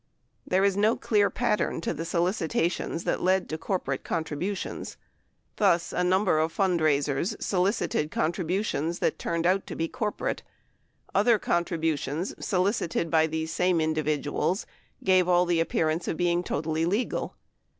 There is no clear pattern to the solicitations that led to corporate contributions. Thus, a number of fundraisers solicited contributions that turned out to be corporate ; other contributions solicited by these same individuals give all the appearance of being totally legal.